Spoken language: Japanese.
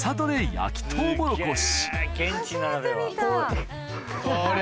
焼きトウモロコシ。